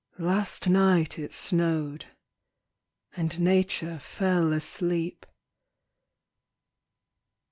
Last night it snowed; and Nature fell asleep.